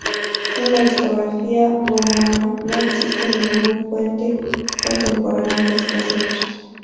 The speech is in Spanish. En la historiografía romana no existe ninguna fuente contemporánea de estas luchas.